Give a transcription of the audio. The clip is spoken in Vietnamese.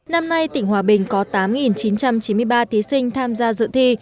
năm nay tỉnh hòa bình có tám chín trăm chín mươi ba thí sinh tham gia dự thi